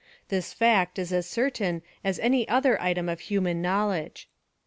This fact is as certain as any other item of human knowledge.